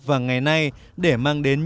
và ngày nay để mang đến